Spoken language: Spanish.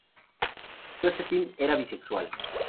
Josephine era bisexual.